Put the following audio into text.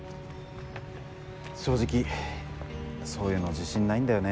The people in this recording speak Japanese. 正直そういうの自信ないんだよね。